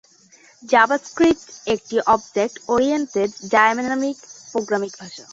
JavaScript একটি object oriented, dynamic programming ভাষা।